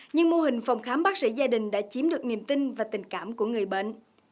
nhưng mô hình phòng khám bác sĩ gia đình đã chiếm được niềm tin và tình cảm của người bệnh